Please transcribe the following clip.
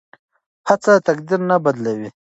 هڅه تقدیر نه بدلوي.